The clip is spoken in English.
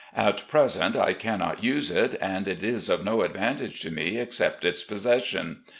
At present, I cannot use it, and it is of no advantage to me, except its possession.